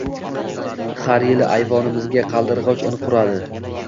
...Har yili ayvonimizga qaldirgʻoch in quradi.